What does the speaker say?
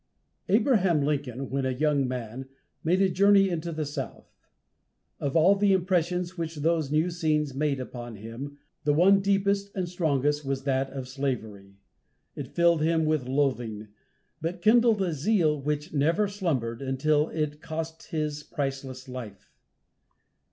Abraham Lincoln, when a young man, made a journey into the South. Of all the impressions which those new scenes made upon him, the one deepest and strongest was that of slavery. It filled him with loathing, but kindled a zeal which never slumbered, until it cost his priceless life.